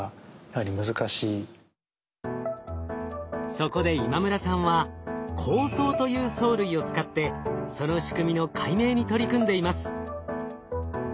そこで今村さんは紅藻という藻類を使ってその仕組みの解明に取り組んでいます。